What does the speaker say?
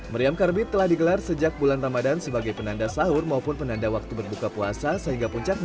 meriam karbit telah digelar sejak bulan ramadhan sebagai penanda sahur maupun penanda waktu berbuka puasa